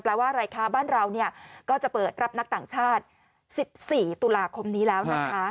ว่าอะไรคะบ้านเราก็จะเปิดรับนักต่างชาติ๑๔ตุลาคมนี้แล้วนะคะ